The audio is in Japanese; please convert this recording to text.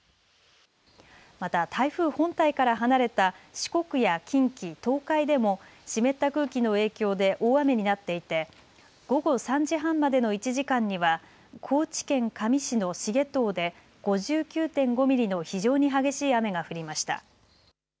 また台風本体から離れた四国や近畿、東海でも湿った空気の影響で大雨になっていて午後３時半までの１時間には高知県香美市の繁藤で５９．５ミリの非常に激しい雨が降りました。